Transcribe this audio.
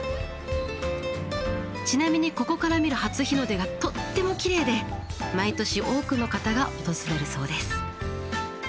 ちなみにここから見る初日の出がとってもきれいで毎年多くの方が訪れるそうです。